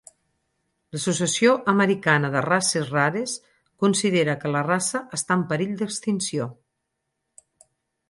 L'Associació Americana de Races Rares considera que la raça està en perill d'extinció.